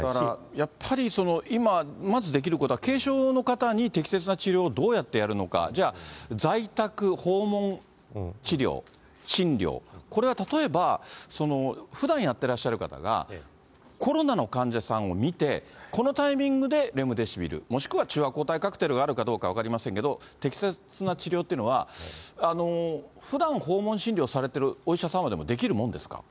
やっぱり、今まずできることは、軽症の方に適切な治療をどうやってやるのか、じゃあ、在宅、訪問治療、診療、これは例えば、ふだんやってらっしゃる方がコロナの患者さんを診て、このタイミングでレムデシビル、もしくは中和抗体カクテルがあるかどうか分かりませんけど、適切な治療っていうのは、ふだん訪問診療されてるお医者様ならできるもんですか。